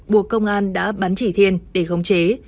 buộc công an đã bắn chỉ thiên để khống chế